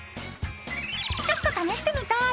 ちょっと試してみたい！